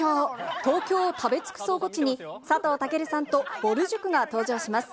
東京を食べ尽くそうゴチに、佐藤健さんとぼる塾が登場します。